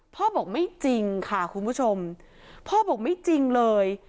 พ่อบอกไม่จริงค่ะคุณผู้ชมพ่อบอกไม่จริงเลย